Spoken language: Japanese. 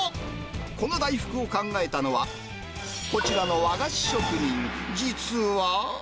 この大福を考えたのは、こちらの和菓子職人、実は。